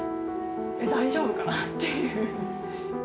大丈夫かなっていう。